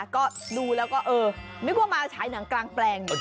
ก็ดูแล้วก็เออไม่กลัวมาใช้หนังกลางแปลงเลยค่ะ